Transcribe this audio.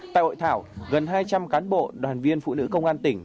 tại hội thảo gần hai trăm linh cán bộ đoàn viên phụ nữ công an tỉnh